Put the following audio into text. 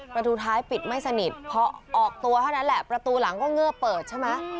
ประตูท้ายปิดไม่สนิทพอออกตัวเท่านั้นแหละประตูหลังก็เงื่อเปิดใช่ไหม